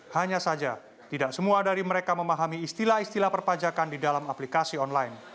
hanya saja tidak semua dari mereka memahami istilah istilah perpajakan di dalam aplikasi online